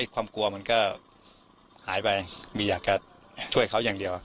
ความกลัวมันก็หายไปมีอยากจะช่วยเขาอย่างเดียว